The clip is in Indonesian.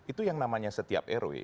itu yang namanya setiap rw